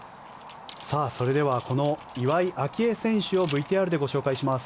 それでは、この岩井明愛選手をＶＴＲでご紹介します。